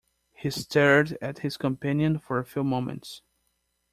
He stared at his companion for a few moments.